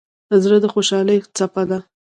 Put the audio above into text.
زړه د خوشحالۍ څپه ده.